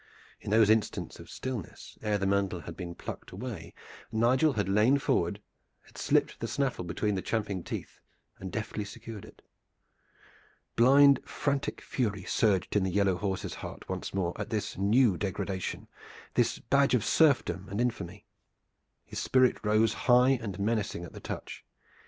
In those instants of stillness ere the mantle had been plucked away Nigel had lain forward, had slipped the snaffle between the champing teeth, and had deftly secured it. Blind, frantic fury surged in the yellow horse's heart once more at this new degradation, this badge of serfdom and infamy. His spirit rose high and menacing at the touch.